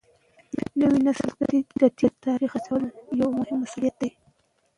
نوي نسل ته د تېر تاریخ رسول یو مهم مسولیت دی.